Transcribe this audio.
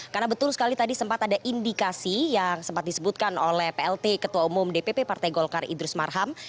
karena betul sekali tadi sempat ada indikasi yang sempat disebutkan oleh plt ketua umum dpp partai golkar idrus marham